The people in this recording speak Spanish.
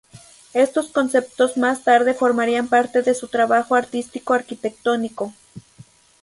Estos conceptos más tarde formarían parte de su trabajo artístico-arquitectónico.